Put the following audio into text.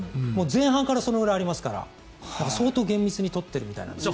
前半からそれぐらいありますから相当厳密に取ってるみたいです。